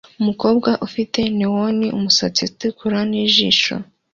Umukobwa ufite neon-umusatsi utukura nijisho